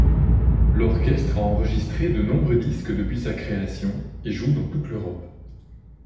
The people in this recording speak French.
L'orchestre a enregistré de nombreux disques depuis sa création, et joue dans toute l'Europe.